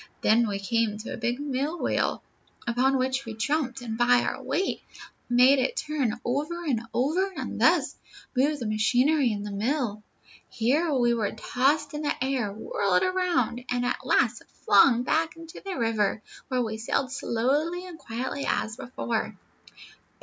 Then we came to a big mill wheel, upon which we jumped, and by our weight made it turn over and over, and thus move the machinery in the mill. Here we were tossed in the air, whirled around, and at last flung back into the river, where we sailed slowly and quietly as before.